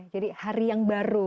jadi hari yang baru